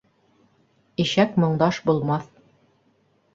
Ишәк моңдаш булмаҫ.